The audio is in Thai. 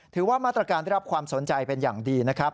ถือว่ามาตรการได้รับความสนใจเป็นอย่างดีนะครับ